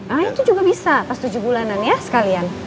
nah itu juga bisa pas tujuh bulanan ya sekalian